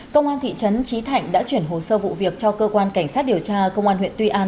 công an thị trấn trí thạnh đã chuyển hồ sơ vụ việc cho cơ quan cảnh sát điều tra công an huyện tuy an